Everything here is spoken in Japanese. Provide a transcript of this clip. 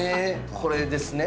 これですね。